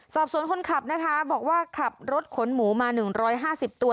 สอบสวนคนขับนะคะบอกว่าขับรถขนหมูมา๑๕๐ตัว